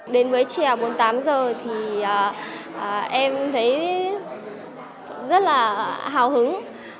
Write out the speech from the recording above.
đến với trèo bốn mươi tám h thì em thấy rất là hào hứng